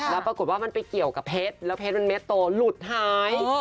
แล้วปรากฏว่ามันไปเกี่ยวกับเพชรแล้วเพชรมันเม็ดโตหลุดหาย